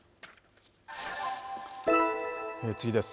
次です。